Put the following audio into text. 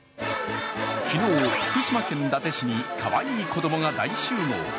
昨日、福島県伊達市にかわいい子供が大集合。